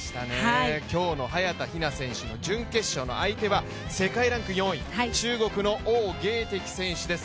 今日の早田ひな選手の準決勝の相手は世界ランク４位、中国の王ゲイ迪選手です。